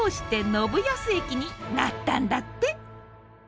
信康駅になったんだって！